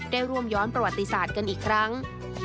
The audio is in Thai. ได้ร่วมย้อนประวัติศาสตร์กันอีกครั้ง